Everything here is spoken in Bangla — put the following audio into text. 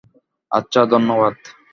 আচ্ছা, ধন্যবাদ।